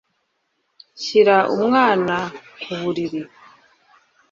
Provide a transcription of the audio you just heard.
Shyira umwana ku buriri